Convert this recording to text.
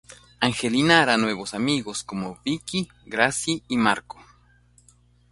Angelina hará nuevos amigos como Vicki, Gracie y Marco.